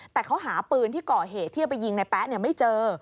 แต่เขาหาปืนที่ก่อเหตุที่จะไปยิงในแป๊ะไม่เจอ